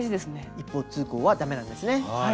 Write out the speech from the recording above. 一方通行はダメなんですね。